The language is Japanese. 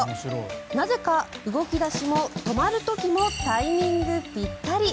なぜか動き出しも止まる時もタイミングぴったり。